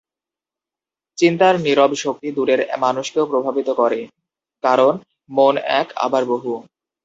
চিন্তার নীরব শক্তি দূরের মানুষকেও প্রভাবিত করে, কারণ মন এক, আবার বহু।